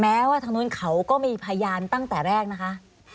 ว่าทางนู้นเขาก็มีพยานตั้งแต่แรกนะคะ